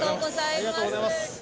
ありがとうございます。